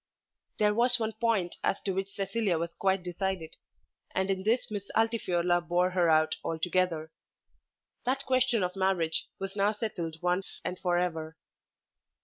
There was one point as to which Cecilia was quite decided, and in this Miss Altifiorla bore her out altogether. That question of marriage was now settled once and for ever.